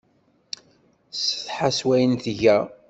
Tessetḥa s wayen tga.